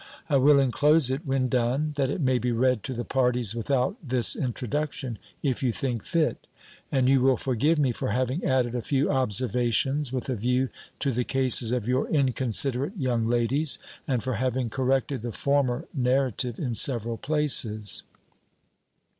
I will inclose it when done, that it may be read to the parties without this introduction, if you think fit. And you will forgive me for having added a few observations, with a view to the cases of your inconsiderate young ladies, and for having corrected the former narrative in several places.